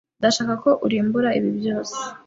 Ndashaka ko urimbura ibi byose.